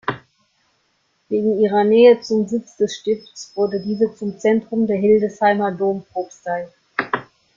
Wegen ihrer Nähe zum Sitz des Stifts wurde diese zum Zentrum der Hildesheimer Dompropstei.